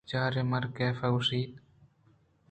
بچار میرکاف ءَ گوٛشت